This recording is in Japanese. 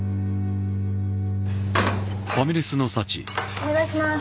お願いしまーす